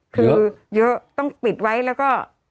คือเยอะต้องปิดไว้แล้วก็